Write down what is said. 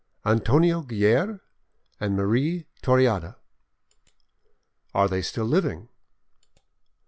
"Antonio Guerre and Marie Toreada." "Are they still living?"